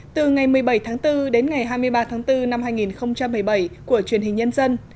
từ ngày một mươi bảy tháng bốn đến ngày hai mươi ba tháng bốn năm hai nghìn một mươi bảy của truyền hình nhân dân